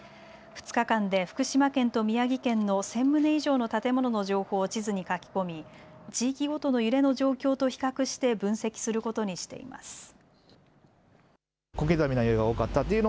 ２日間で福島県と宮城県の１０００棟以上の建物の情報を地図に書き込み地域ごとの揺れの状況と比較して分析することにしています。